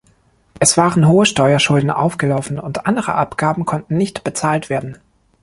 Es waren hohe Steuerschulden aufgelaufen und andere Abgaben konnten nicht bezahlt werden.